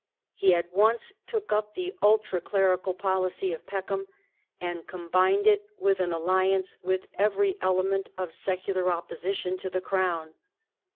He at once took up the ultra clerical policy of Peckham, and combined it Avith an alliance with every element of secular opposition to the Crown.